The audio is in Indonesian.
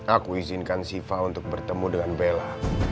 aku izinkan siva untuk bertemu dengan bella